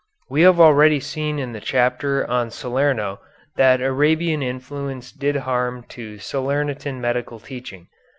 We have already seen in the chapter on Salerno that Arabian influence did harm to Salernitan medical teaching.